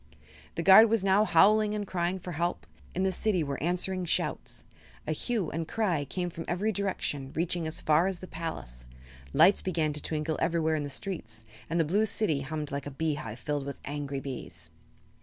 The guard was now howling and crying for help. In the city were answering shouts. A hue and cry came from every direction, reaching as far as the palace. Lights began to twinkle everywhere in the streets and the Blue City hummed like a beehive filled with angry bees.